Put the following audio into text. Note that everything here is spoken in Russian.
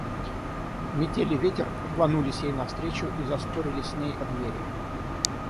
Метель и ветер рванулись ей навстречу и заспорили с ней о двери.